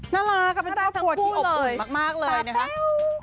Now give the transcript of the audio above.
น่ารักค่ะเป็นครอบครัวที่อบอุ่นมากเลยนะคะ